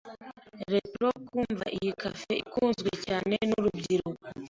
Retro kumva iyi cafe ikunzwe cyane nurubyiruko.